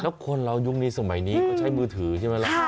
ทุกคนเรายุ่งในสมัยนี้ก็ใช้มือถือใช่ไหมล่ะ